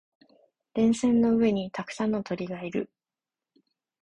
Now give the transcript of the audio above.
電線の上にたくさんの鳥がいる。